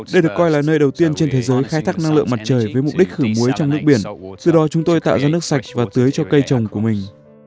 đây được coi là nơi đầu tiên trên thế giới khai thác năng lượng mặt trời với mục đích khử muối trong nước biển từ đó chúng tôi tạo ra nước sạch và tưới cho cây trồng của mình